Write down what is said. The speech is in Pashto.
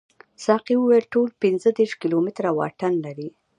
ساقي وویل ټول پنځه دېرش کیلومتره واټن لري.